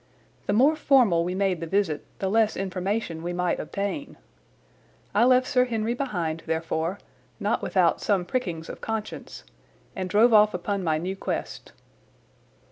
The more formal we made the visit the less information we might obtain. I left Sir Henry behind, therefore, not without some prickings of conscience, and drove off upon my new quest.